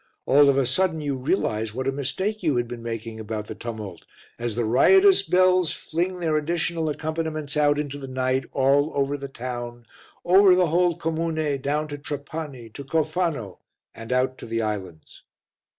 All of a sudden you realize what a mistake you had been making about the tumult as the riotous bells fling their additional accompaniments out into the night, all over the town, over the whole comune, down to Trapani, to Cofano and out to the islands.